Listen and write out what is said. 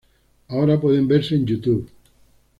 Ahora pueden verse en "Youtube".